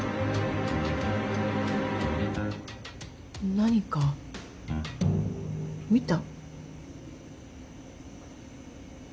何か見た？